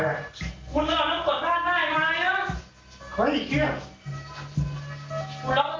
เมขิงหลายอย่างไงอีกตั้งจากนี้ของคุณนะครับ